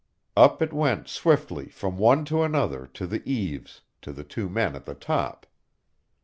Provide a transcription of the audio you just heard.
Up it went swiftly from one to another, to the eaves, to the two men at the top.